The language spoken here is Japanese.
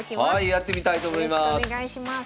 やってみたいと思います。